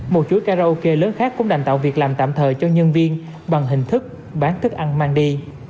một chú karaoke lớn khác cũng đành tạo việc làm tạm thời cho nhân viên bằng hình thức bán thức ăn mang đi